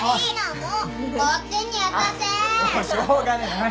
もうしょうがねえな。